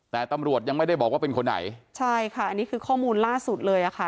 แต่ตำรวจยังไม่ได้บอกว่าเป็นคนไหนใช่ค่ะอันนี้คือข้อมูลล่าสุดเลยอ่ะค่ะ